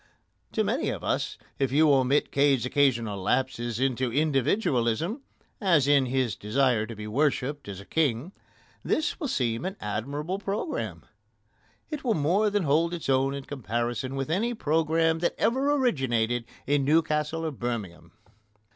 To many of us, if you omit Cade's occasional lapses into individualism as in his desire to be worshipped as a king this will seem an admirable programme. It will more than hold its own in comparison with any programme that ever originated in Newcastle or Birmingham.